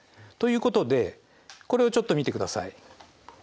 ということでこれをちょっと見てください。